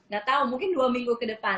gak tahu mungkin dua minggu ke depan